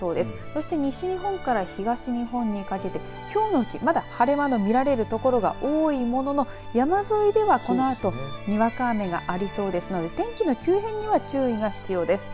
そして西日本から東日本にかけてきょうのうち、まだ晴れ間の見られる所が多いものの山沿いでは、このあとにわか雨がありそうですので天気の急変には注意が必要です。